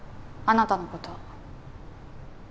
あなたのこと。